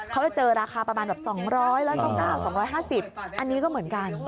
เขาจะเจอราคาประมาณแบบ๒๐๐๑๙๒๕๐อันนี้ก็เหมือนกัน